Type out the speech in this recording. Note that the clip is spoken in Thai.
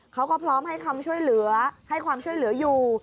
เขาก็พร้อมให้คำช่วยเหลือให้ความช่วยเหลืออยู่